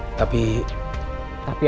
untuk apa kau ke sini